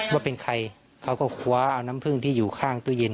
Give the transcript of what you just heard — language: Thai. ว่าเป็นใครเขาก็คว้าเอาน้ำผึ้งที่อยู่ข้างตู้เย็น